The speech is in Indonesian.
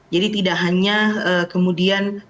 jadi tidak hanya kemudiannya